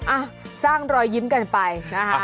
อ่ะสร้างรอยยิ้มกันไปนะคะ